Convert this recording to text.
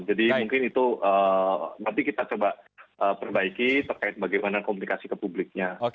jadi mungkin itu nanti kita coba perbaiki terkait bagaimana komunikasi ke publiknya